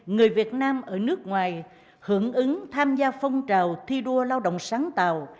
người việt nam ở nước ngoài hưởng ứng tham gia phong trào thi đua lao động sáng tạo